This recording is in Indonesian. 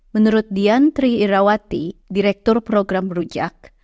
menurut dian triirawati direktur program rujak